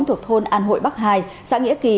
thuộc thôn an hội bắc hai xã nghĩa kỳ